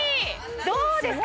どうですか？